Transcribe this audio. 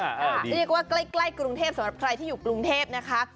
เรียกว่าใกล้กรุงเทพสำหรับใครที่อยู่กรุงเทพนะคะ